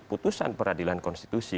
putusan peradilan konstitusi